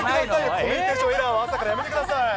コミュニケーションエラーは朝からやめてください。